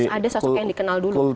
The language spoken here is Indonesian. ada sosok yang dikenal dulu